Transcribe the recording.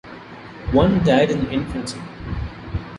One died in infancy.